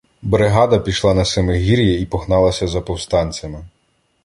Бригада пішла на Семигір'я і погналася за повстанцями.